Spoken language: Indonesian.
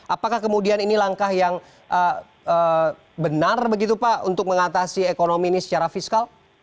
apakah kemudian ini langkah yang benar begitu pak untuk mengatasi ekonomi ini secara fiskal